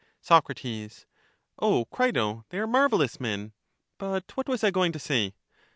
Soc. O Crito, they are marvellous men; but what was I going to say?